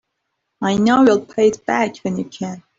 I know you'll pay it back when you can.